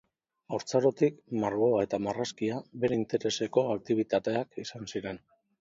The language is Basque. Haurtzarotik margoa eta marrazkia bere intereseko aktibitateak izan ziren.